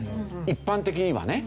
一般的にはね。